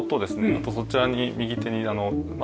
あとそちらに右手にトイレ。